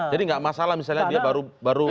jadi nggak masalah misalnya dia baru